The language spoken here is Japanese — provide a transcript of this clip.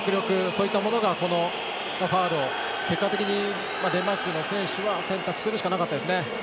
そういったものがこのファウルを結果的にデンマークの選手は選択するしかなかったですね。